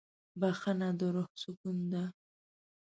بښنه د روح سکون ده.